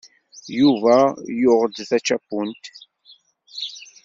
Yuba yuɣ-d tačapunt.